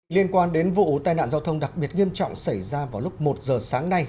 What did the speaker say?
liên quan đến vụ tai nạn giao thông đặc biệt nghiêm trọng xảy ra vào lúc một giờ sáng nay